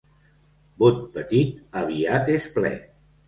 Bot petit aviat és ple.